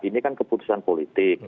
ini kan keputusan politik